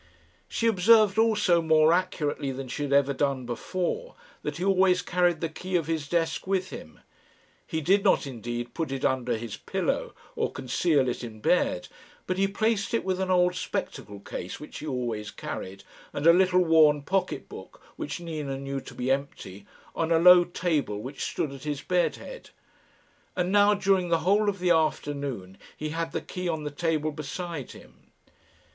She observed also, more accurately than she had ever done before, that he always carried the key of his desk with him. He did not, indeed, put it under his pillow, or conceal it in bed, but he placed it with an old spectacle case which he always carried, and a little worn pocket book which Nina knew to be empty, on a low table which stood at his bed head; and now during the whole of the afternoon he had the key on the table beside him.